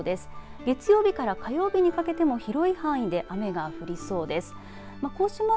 月曜日から火曜日にかけても広い範囲で雨が降りそうです。